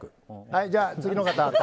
はい、じゃあ次の方。